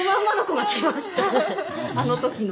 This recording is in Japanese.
あの時の。